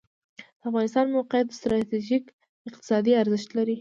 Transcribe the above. د افغانستان موقعیت ستراتیژیک اقتصادي ارزښت لري